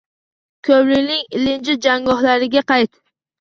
Ko’nglimning ilinj jangohlariga qayt